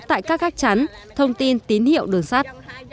tại các gác chắn thông tin tín hiệu đường sắt